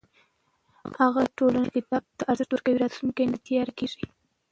هغه ټولنه چې کتاب ته ارزښت ورکوي، راتلونکی یې نه تیاره کېږي.